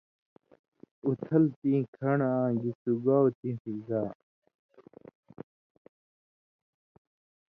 اُتھل تیں کھن٘ڑ آں گی سُگاؤ تیں فضا